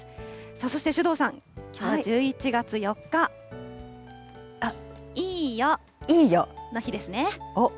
さあ、そして首藤さん、きょう１１月４日、いいよ、いいよの日ですね。